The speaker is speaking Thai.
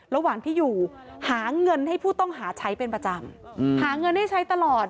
ระหว่างที่อยู่หาเงินให้ผู้ต้องหาใช้เป็นประจำหาเงินให้ใช้ตลอด